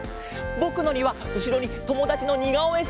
ぼくのにはうしろにともだちのにがおえ